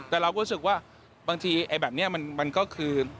แต่เราก็รู้สึกว่าบางทีแบบนี้มันก็คือ